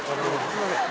すみません